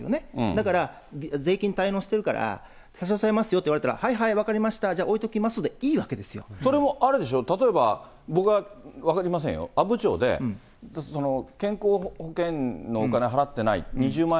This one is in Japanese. だから、税金滞納してるから、差し押さえますよと言われたら、はいはい、分かりました、じゃあ、置いておきますでいいわけですよ。それもあれでしょ、例えば僕は分かりませんよ、阿武町で、健康保険のお金払ってない２０万